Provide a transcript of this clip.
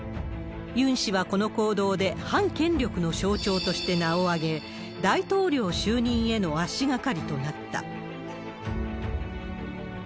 ユン氏はこの行動で、反権力の象徴として名を挙げ、大統領就任への足がかりとなった。